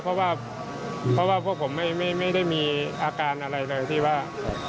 เพราะว่าพวกผมไม่ได้มีอาการอะไรเลยที่ว่า